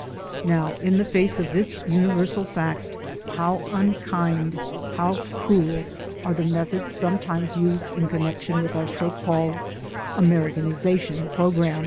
Now in the face of this universal fact, how unkind, how cruel are the methods sometimes used in connec tion with our so called Americanization program.